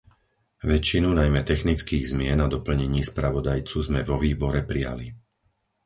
Väčšinu najmä technických zmien a doplnení spravodajcu sme vo výbore prijali.